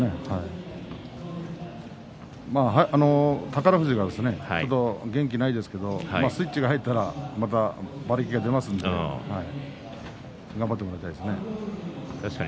宝富士がですね、ちょっと元気がないですけれどスイッチが入ったらまた馬力が出ますので頑張ってもらいたいですね。